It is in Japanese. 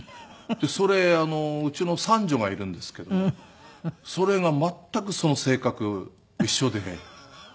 それうちの三女がいるんですけどそれが全くその性格一緒で。